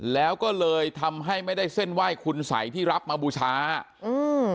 แล้วก็เลยทำให้ไม่ได้เส้นไหว้คุณสัยที่รับมาบูชาอืม